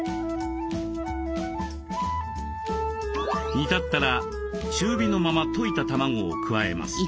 煮立ったら中火のまま溶いた卵を加えます。